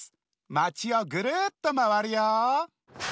まちをぐるっとまわるよ。